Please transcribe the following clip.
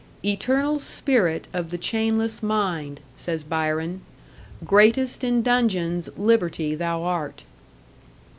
"Eternal spirit of the chainless mind," says Byron. "Greatest in dungeons Liberty thou art!"